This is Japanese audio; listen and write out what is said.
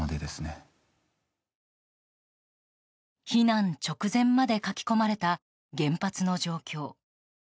避難直前まで書き込まれた原発の状況。